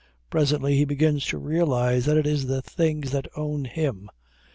Presently he begins to realize that it is the things that own him.